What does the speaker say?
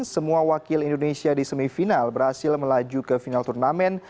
semua wakil indonesia di semifinal berhasil melaju ke final turnamen